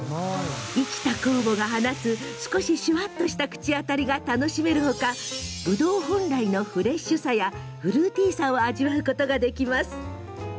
生きた酵母が放つ少し、シュワッとした口当たりが楽しめるほかぶどう本来のフレッシュさやフルーティーさを味わうことができます。